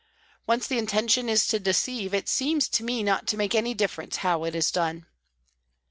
Once the intention is to deceive, it seems to me not to make any difference how it is done.